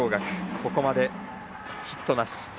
ここまでヒットなし。